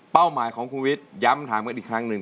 หมายของคุณวิทย้ำถามกันอีกครั้งหนึ่ง